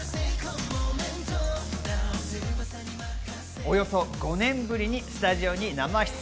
およそ５年ぶりにスタジオに生出演。